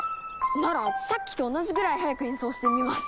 ならさっきと同じぐらい速く演奏してみます。